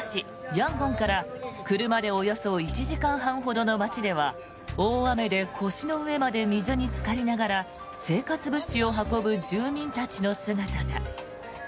ヤンゴンから車でおよそ１時間半ほどの街では大雨で腰の上まで水につかりながら生活物資を運ぶ住民たちの姿が。